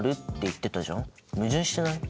矛盾してない？